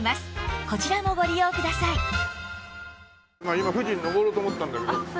今富士に登ろうと思ったんだけど